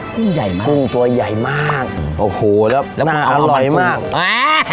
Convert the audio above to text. กุ้งใหญ่มากกุ้งตัวใหญ่มากโอ้โหแล้วแล้วมันอร่อยมากอ่า